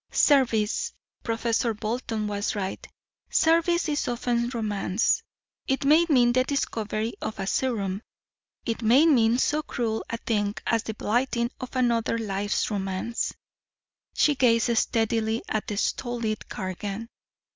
Service Professor Bolton was right service is often romance. It may mean the discovery of a serum it may mean so cruel a thing as the blighting of another's life romance." She gazed steadily at the stolid Cargan.